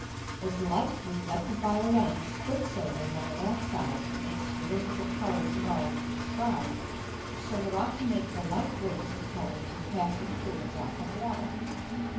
As Light reflected by a Lens quick silver'd on the backside makes the Rings of Colours above described, so it ought to make the like Rings of Colours in passing through a drop of Water.